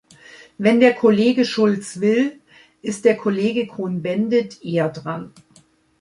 Wenn der Kollege Schulz will, ist der Kollege Cohn-Bendit eher dran.